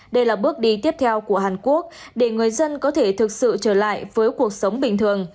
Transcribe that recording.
đây là bước đi tiếp theo của hàn quốc để người dân có thể thực sự trở lại với cuộc sống bình thường